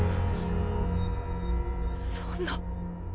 そんな。